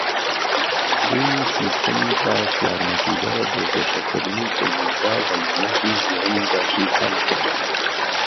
بوونی سیستەمی باش یارمەتیدەرە بۆ گەشەکردنی کۆمەلگا و هەلومەرجی ژیانی باشی خەلك.